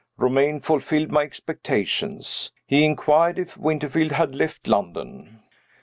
Romayne fulfilled my expectations. He inquired if Winterfield had left London.